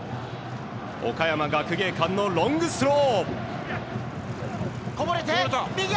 岡山学芸館のロングスロー。